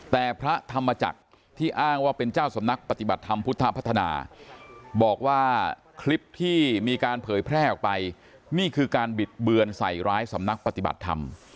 แต่พระธรรมจักรที่อ้างว่าเป็นเจ้าสำนักปฏิบัติธรรมพุทธพัฒนาบอกว่าคลิปที่มีการเผยแพร่ออกไปนี่คือการบิดเบือนใส่ร้ายสำนักปฏิบัติธรรม